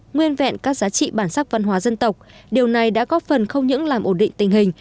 nguyên vẹn các giá trị bản sắc văn hóa dân tộc điều này đã góp phần không những làm ổn định tình hình